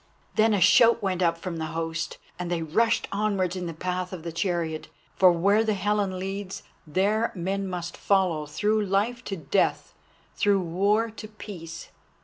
Then a shout went up from the host, and they rushed onwards in the path of the chariot, for where the Helen leads there men must follow through Life to Death, through War to Peace.